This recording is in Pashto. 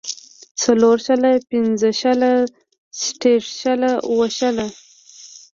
څلور شله پنځۀ شله شټږ شله اووه شله